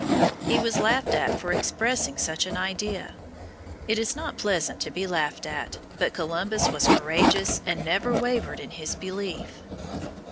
He was laughed at for expressing such an idea. It is not pleasant to be laughed at, but Columbus was courageous and never wavered in his belief.